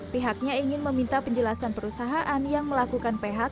pihaknya ingin meminta penjelasan perusahaan yang melakukan phk